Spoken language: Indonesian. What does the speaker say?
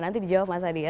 nanti dijawab mas hadi ya